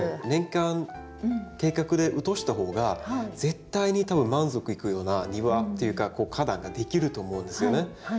年間計画で落とした方が絶対に多分満足いくような庭っていうか花壇ができると思うんですよね。